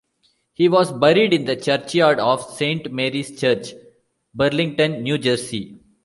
He was buried in the churchyard of Saint Mary's Church, Burlington, New Jersey.